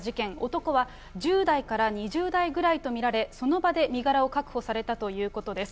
男は１０代から２０代ぐらいと見られ、その場で身柄を確保されたということです。